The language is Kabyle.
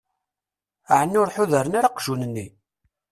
Ɛni ur ḥudren ara aqjun-nni?